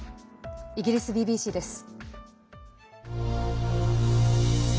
イギリスＢＢＣです。